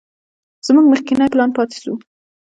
زموږ مخکينى پلان پاته سو.